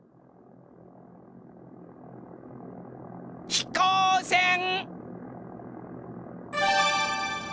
ひこうせん。